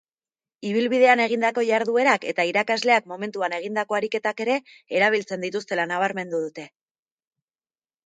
Ibilbidean egindako jarduerak eta irakasleak momentuan egindako ariketak ere erabiltzen dituztela nabarmendu dute.